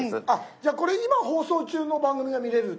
じゃあこれ今放送中の番組が見れるってことですか？